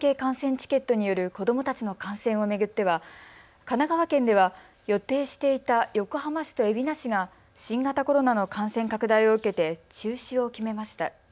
チケットによる子どもたちの観戦を巡っては神奈川県では予定していた横浜市と海老名市が新型コロナの感染拡大を受けて中止を決めました。